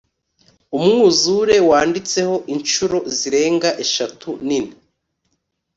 umwuzure wanditseho inshuro zirenga eshatu nini